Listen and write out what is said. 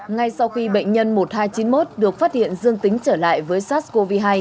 ngay sau khi bệnh nhân một nghìn hai trăm chín mươi một được phát hiện dương tính trở lại với sars cov hai